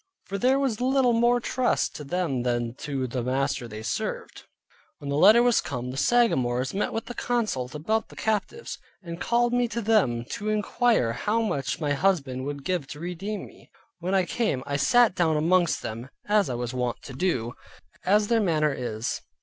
For there was little more trust to them than to the master they served. When the letter was come, the Sagamores met to consult about the captives, and called me to them to inquire how much my husband would give to redeem me. When I came I sat down among them, as I was wont to do, as their manner is.